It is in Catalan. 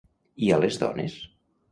I a les dones?